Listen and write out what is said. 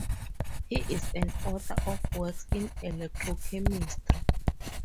He is an author of works in electrochemistry.